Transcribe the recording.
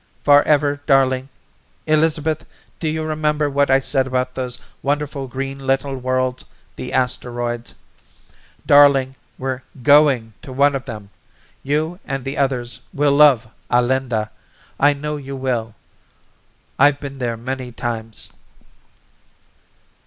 "Forever, darling. Elizabeth, do you remember what I said about those wonderful green little worlds, the asteroids? Darling, we're going to one of them! You and the others will love Alinda, I know you will. I've been there many times."